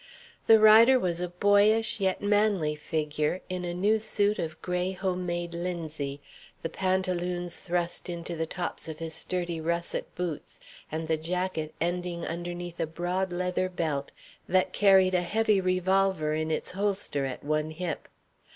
The rider was a boyish yet manly figure in a new suit of gray home made linsey, the pantaloons thrust into the tops of his sturdy russet boots, and the jacket ending underneath a broad leather belt that carried a heavy revolver in its holster at one hip.